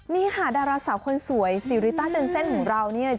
นี่ค่ะดาราสาวคนสวยซีริต้าเจนเซ่นของเราเนี่ย